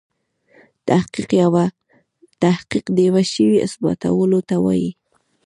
تحقیق دیوه شي اثباتولو ته وايي.